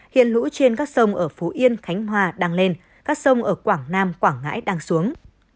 hiện lũ trên các sông ở phú yên khánh hòa đang lên các sông ở quảng nam quảng ngãi đang xuống